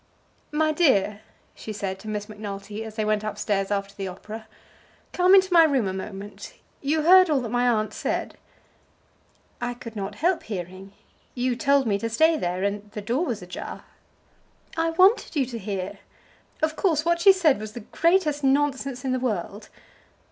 "My dear," she said to Miss Macnulty, as they went up stairs after the opera, "come into my room a moment. You heard all that my aunt said?" "I could not help hearing. You told me to stay there, and the door was ajar." "I wanted you to hear. Of course what she said was the greatest nonsense in the world."